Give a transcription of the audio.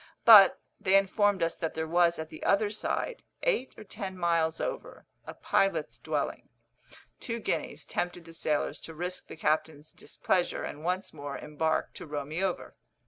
But they informed us that there was at the other side, eight or ten miles over, a pilot's dwelling. Two guineas tempted the sailors to risk the captain's displeasure, and once more embark to row me over.